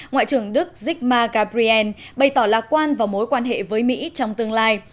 ngoại trưởng đức zikma gabriel bày tỏ lạc quan vào mối quan hệ với mỹ trong tương lai